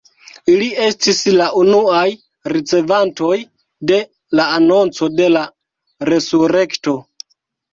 Ili estis la unuaj ricevantoj de la anonco de la resurekto.